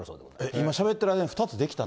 今しゃべってる間に２つできたの？